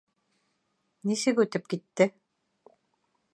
Нисек үтеп китте?